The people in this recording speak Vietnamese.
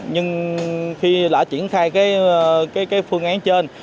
nhưng khi đã triển khai cái phương án trên